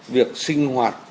việc sinh hoạt